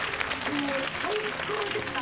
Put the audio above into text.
もう最高でした。